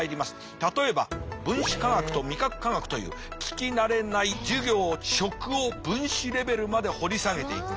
例えば分子科学と味覚科学という聞き慣れない授業食を分子レベルまで掘り下げていきます。